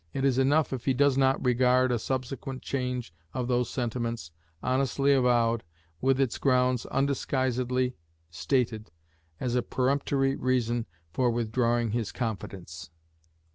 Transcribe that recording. It is enough if he does not regard a subsequent change of those sentiments, honestly avowed, with its grounds undisguisedly stated, as a peremptory reason for withdrawing his confidence.